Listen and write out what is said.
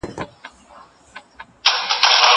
دا چپنه له هغه پاکه ده!!